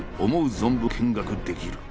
存分見学できる」。